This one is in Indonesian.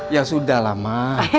ya sudah lah ma